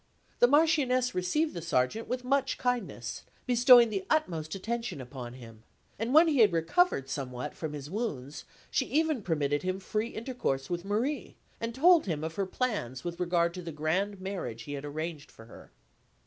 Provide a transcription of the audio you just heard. The Marchioness received the Sergeant with much kindness, bestowing the utmost attention upon him; and when he had recovered somewhat from his wounds, she even permitted him free intercourse with Marie, and told him of her plans with regard to the grand marriage she had arranged for her.